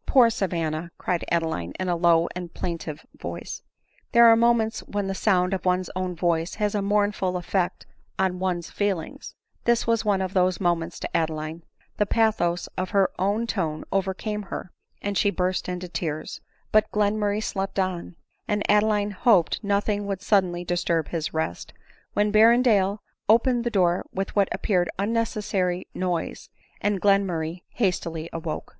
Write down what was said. " Poor Savanna !" cried Adeline in a low and plain tive tone. There are moments when the sound of one's own voice has a mournful effect on one's feelings — this was one of those moments to Adeline ; the pathos of her own tone overcame her, and she burst into tears ; but Glenmurray slept on ; and Adeline hoped nothing would suddenly disturb his rest, when Berrendale opened the door with what appeared unnecessary noise, and Glen murray hastily awoke.